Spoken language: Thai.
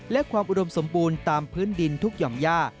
และความอุดมสมบูรณ์ตามพื้นดินทุกหย่อมย่า